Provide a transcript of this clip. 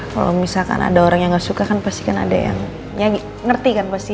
kalau misalkan ada orang yang gak suka kan pasti kan ada yang ngerti kan pasti